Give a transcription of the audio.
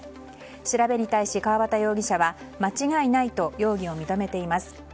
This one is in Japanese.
調べに対し川端容疑者は間違いないと容疑を認めています。